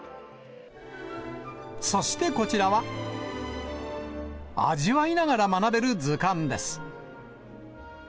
そしてこちらは、味わいながら学べる図鑑です。